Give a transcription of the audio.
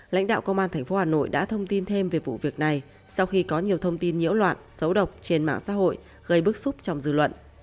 lãnh đạo công an tp hà nội đã thông tin thêm về vụ việc này sau khi có nhiều thông tin nhiễu loạn xấu độc trên mạng xã hội gây bức xúc trong dư luận